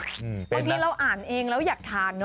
บางทีเราอ่านเองแล้วอยากทานเนอ